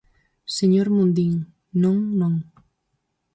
Señor Mundín, non, non.